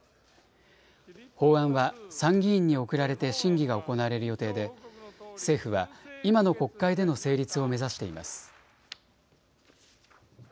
法案は参議院に送られて審議が行われる予定で政府は今の国会での成立を目指しています。